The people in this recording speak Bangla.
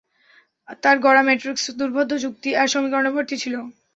তার গড়া ম্যাট্রিক্স দুর্বোধ্য যুক্তি আর সমীকরণে ভর্তি ছিল!